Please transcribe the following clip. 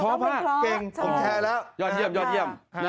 เพราะมากเก่งร้องเป็นเพราะผมแท้แล้วยอดเยี่ยม